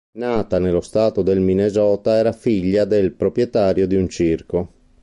Nata nello Stato del Minnesota, era figlia del proprietario di un circo.